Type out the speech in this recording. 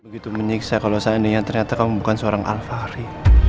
begitu menyiksa kalau saatnya ternyata kamu bukan seorang alvari